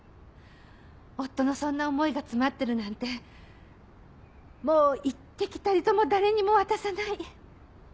夫のそんな思いが詰まってるなんてもう一滴たりとも誰にも渡さない。